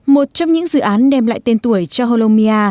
một trong những dự án đem lại tên tuổi